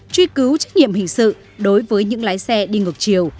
truy cứu trách nhiệm hình sự đối với những lái xe đi ngược chiều